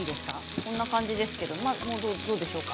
こんな感じなんですけれどもどうでしょうか。